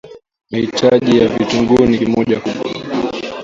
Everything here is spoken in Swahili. mahitaji ya vitunguu ni kimoja kikubwa